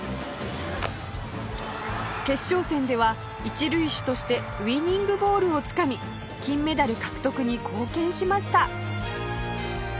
決勝戦では一塁手としてウイニングボールをつかみ金メダル獲得に貢献しました